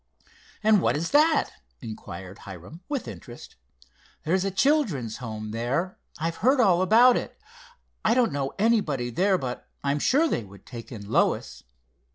"And what is that?" inquired Hiram, with interest. "There's a children's home there. I've heard all about it. I don't know anybody there, but I'm sure they would take in Lois.